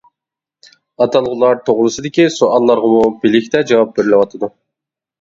ئاتالغۇلار توغرىسىدىكى سوئاللارغىمۇ بىلىكتە جاۋاب بېرىلىۋاتىدۇ.